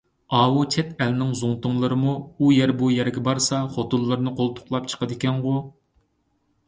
ئاۋۇ چەت ئەلنىڭ زۇڭتۇلىرىمۇ ئۇ يەر – بۇ يەرگە بارسا خوتۇنلىرىنى قولتۇقلاپ چىقىدىكەنغۇ!